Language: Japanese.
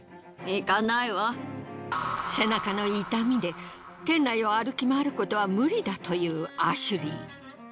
背中の痛みで店内を歩き回ることは無理だというアシュリー。